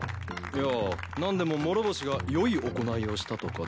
いやあ何でも諸星がよい行いをしたとかで。